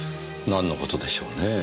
なんのことでしょうねぇ。